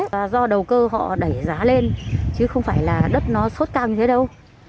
và do đầu cơ họ đẩy giá lên chứ không phải là đất nó sốt cao như thế đâu